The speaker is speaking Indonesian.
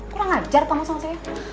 kurang ajar kamu sama saya